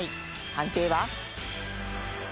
判定は。